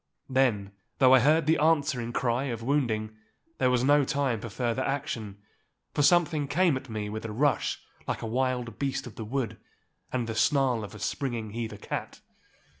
Then, though I heard the answering cry of wounding, there was no time for further action, for something came at me with a rush like a wild beast of the wood, and the snarl of the springing heather cat.